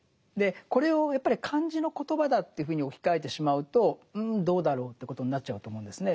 これをやっぱり漢字の言葉だというふうに置き換えてしまうとうんどうだろうということになっちゃうと思うんですね。